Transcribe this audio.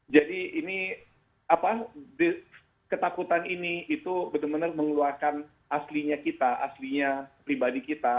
jadi ini ketakutan ini itu benar benar mengeluarkan aslinya kita aslinya pribadi kita